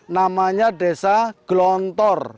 namanya desa glontor